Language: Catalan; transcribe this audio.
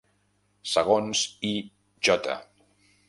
Segons I. J.